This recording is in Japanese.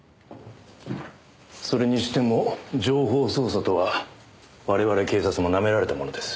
それにしても情報操作とは我々警察もなめられたものです。